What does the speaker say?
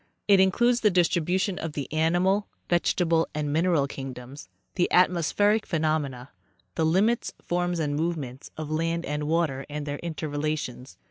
It includes the distribution of the animal, vegetal and mineral kingdoms ; the atmospheric phenomena ; the limits, forms and movements of land and water and their interrelations.